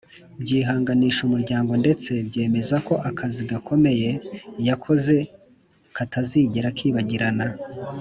byihanganisha umuryango ndetse byemeza ko akazi gakomeye yakoze katazigera kibagirana